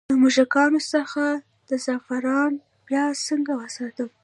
د موږکانو څخه د زعفرانو پیاز څنګه وساتم؟